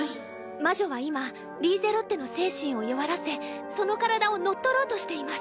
魔女は今リーゼロッテの精神を弱らせその体を乗っ取ろうとしています。